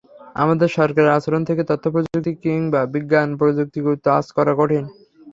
আমাদের সরকারের আচরণ থেকে তথ্যপ্রযুক্তি কিংবা বিজ্ঞান প্রযুক্তির গুরুত্ব আঁচ করা কঠিন।